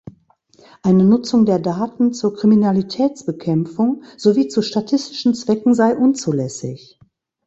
Eine Nutzung der Daten zur Kriminalitätsbekämpfung sowie zu statistischen Zwecken sei unzulässig.